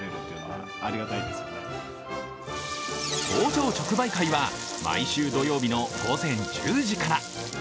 工場直売会は毎週土曜日の午前１０時から。